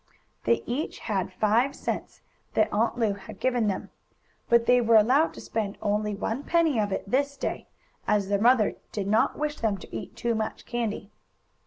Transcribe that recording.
They each had five cents, that Aunt Lu had given them, but they were allowed to spend only one penny of it this day, as their mother did not wish them to eat too much candy.